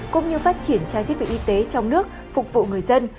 cũng như phát triển trang thiết bị y tế trong nước phục vụ người dân